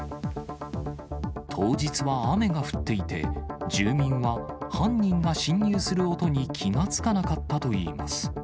当日は雨が降っていて、住民は犯人が侵入する音に気が付かなかったといいます。